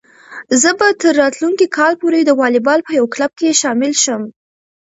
زه به تر راتلونکي کال پورې د واليبال په یو کلب کې شامل شم.